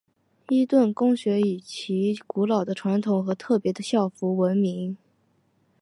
伊顿公学以其古老的传统和特别的校服而闻名。